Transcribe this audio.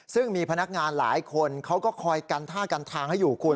ซึ่งมีพนักงานหลายคนเขาก็คอยกันท่ากันทางให้อยู่คุณ